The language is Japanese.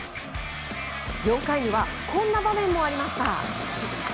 ４回にはこんな場面もありました。